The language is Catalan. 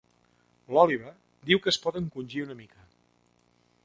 L'Oliver diu que es pot encongir una mica.